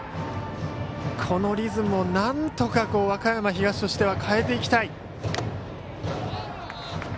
このリズムをなんとか和歌山東としては変えていきたい。